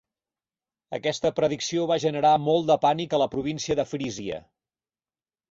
Aquesta predicció va generar molt de pànic a la província de Frísia.